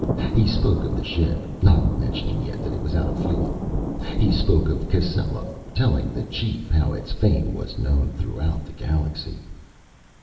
He spoke of the ship, not mentioning yet that it was out of fuel. He spoke of Cascella, telling the chief how its fame was known throughout the Galaxy.